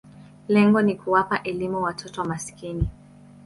Lengo ni kuwapa elimu watoto maskini.